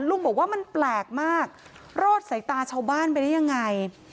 ลุงบอกว่ามันแปลกมากรอดสายตาชาวบ้านไปได้ยังไง